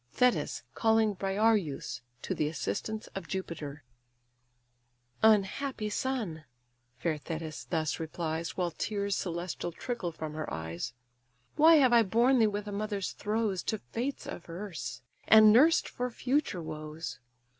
THETIS CALLING BRIAREUS TO THE ASSISTANCE OF JUPITER "Unhappy son! (fair Thetis thus replies, While tears celestial trickle from her eyes) Why have I borne thee with a mother's throes, To Fates averse, and nursed for future woes?